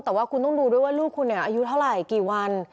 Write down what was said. แต่ว่าคุณต้องดูด้วยว่าลูกคุณอายุเท่าไหร่กี่วัน